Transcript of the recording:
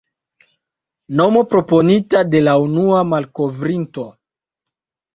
Nomo proponita de la unua malkovrinto.